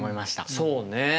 そうね。